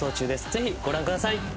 ぜひご覧ください。